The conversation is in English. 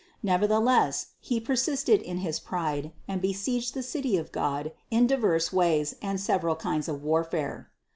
Nevertheless he persisted in his pride and besieged the City of God in diverse ways and several kinds of warfare.